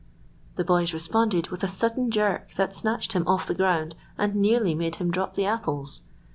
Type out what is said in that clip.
The boys responded with a sudden jerk that snatched him off the ground, and nearly made him drop the apples.